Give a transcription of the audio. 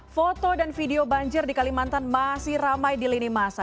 foto dan video banjir di kalimantan masih ramai di lini masa